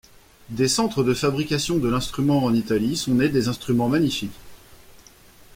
Des centres de fabrication de l'instrument en Italie, sont nés des instruments magnifiques.